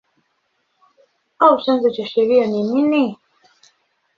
au chanzo cha sheria ni nini?